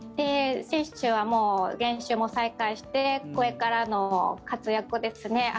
選手は、もう練習も再開してこれからの活躍ですね。